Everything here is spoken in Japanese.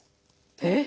えっ！